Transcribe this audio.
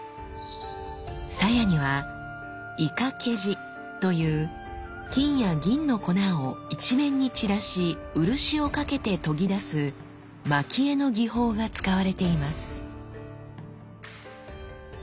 鞘には沃懸地という金や銀の粉を一面に散らし漆をかけて研ぎ出す蒔絵の技法が使われています。